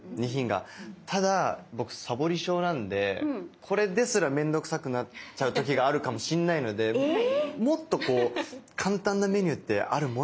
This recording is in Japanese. ただ僕サボり症なんでこれですら面倒くさくなっちゃう時があるかもしんないのでもっと簡単なメニューってあるもんなんですか？